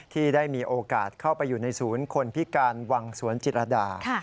ที่ได้มีโอกาสเข้าไปอยู่ในศูนย์คนพิการวังสวนจิตรดา